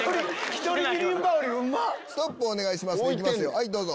はいどうぞ。